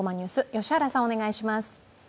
良原さん、お願いします。